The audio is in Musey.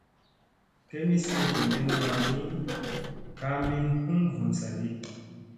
Kemi suu vinɗinna wan ni, ka min hum vun saaɗi.